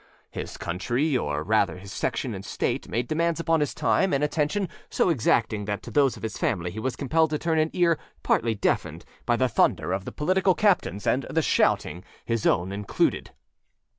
His country, or rather his section and State, made demands upon his time and attention so exacting that to those of his family he was compelled to turn an ear partly deafened by the thunder of the political captains and the shouting, his own included.